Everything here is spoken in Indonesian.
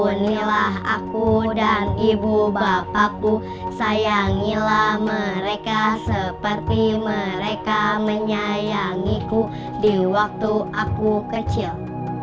inilah aku dan ibu bapakku sayangilah mereka seperti mereka menyayangiku di waktu aku kecil